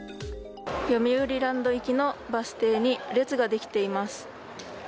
よみうりランド行きのバス停に列ができています。